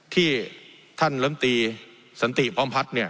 ที่ท่านลำตีสันติพร้อมพัฒน์